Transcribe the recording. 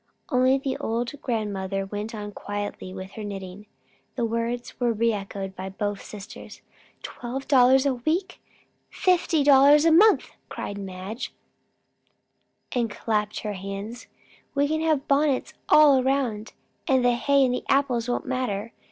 Only the old grandmother went on now quietly with her knitting. The words were re echoed by both sisters. "Twelve dollars a week! Fifty dollars a month!" cried Madge, and clapped her hands. "We can have bonnets all round; and the hay and the apples won't matter.